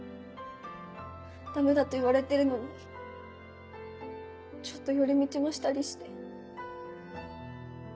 ダメだと言われてるのにちょっと寄り道もしたりして。